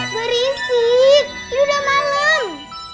berisik yudha malem